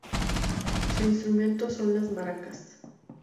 Su instrumento son las maracas.